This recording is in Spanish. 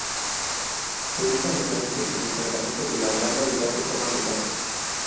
Se usa habitualmente en el tratamiento de gran variedad de formas de cáncer.